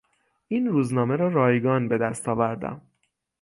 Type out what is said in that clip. این روزنامه را رایگان به دست آوردم.